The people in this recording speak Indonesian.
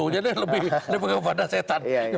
jadi lebih lebih pada setan